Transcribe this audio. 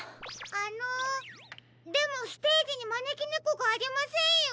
あのでもステージにまねきねこがありませんよ。